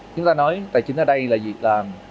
chúng ta nói tài chính ở đây là việc làm